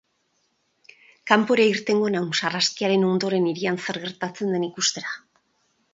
Kanpora irtengo naun, sarraskiaren ondoren hirian zer gertatzen den ikustera.